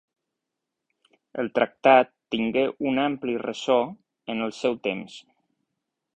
El tractat tingué un ampli ressò en el seu temps.